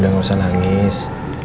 udah gak usah nangis